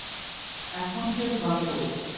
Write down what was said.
এখন সে ধরা পড়েছে।